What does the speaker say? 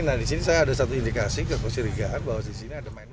nah disini saya ada satu indikasi kekeserigaan bahwa disini ada